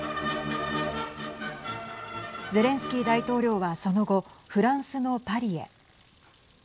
ゼレンスキー大統領はその後フランスのパリへ。